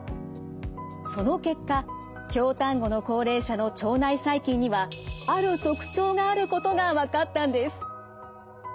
その結果京丹後の高齢者の腸内細菌にはある特徴があることが分かったんです。